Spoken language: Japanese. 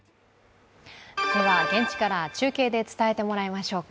では現地から中継で伝えてもらいましょうか。